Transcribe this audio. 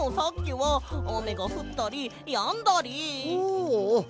はあ。